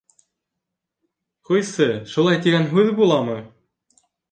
— Ҡуйсы, шулай тигән һүҙ буламы?